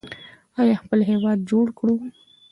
آیا خپل هیواد جوړ کړو؟